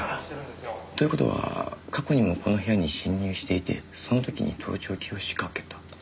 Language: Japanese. という事は過去にもこの部屋に侵入していてその時に盗聴器を仕掛けたと。